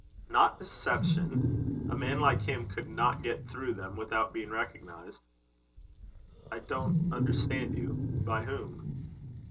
"Not deception? A man like him could not get through them without being recognised." "I don't understand you. By whom?"